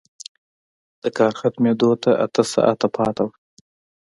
د کار ختمېدو ته اته ساعته پاتې وو